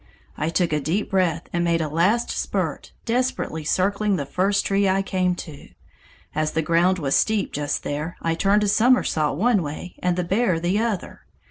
I took a deep breath and made a last spurt, desperately circling the first tree I came to. As the ground was steep just there, I turned a somersault one way and the bear the other.